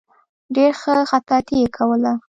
ډېره ښه خطاطي یې کوله.